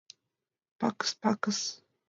Пакыс, пакыс...